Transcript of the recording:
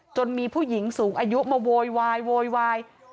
มีผู้หญิงสูงอายุมาโวยวายโวยวาย